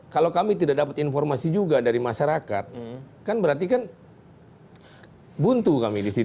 kalau kami tidak dapat informasi juga dari masyarakat kan berarti kan buntu kami di situ